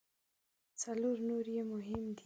څلور نور یې مهم دي.